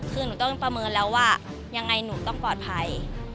คือหนูต้องประเมินแล้วว่ายังไงหนูต้องปลอดภัย